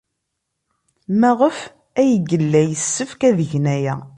Maɣef ay yella yessefk ad gen aya?